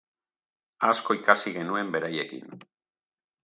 Asko ikasi genuen beraiekin.